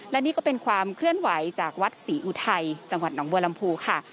และนี่ก็เป็นความเคลื่อนไหวจากวัดศรีอุทัยจังหวัดหนองบัวลำพูค่ะ